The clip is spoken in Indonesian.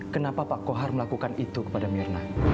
kenapa pak kohar melakukan itu kepada mirna